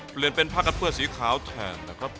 เปลี่ยนเป็นผ้ากันเปื้อสีขาวแทนนะครับ